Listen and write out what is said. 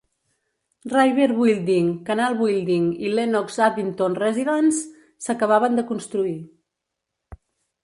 River Building, Canal Building i Lennox-Addington Residence s'acabaven de construir.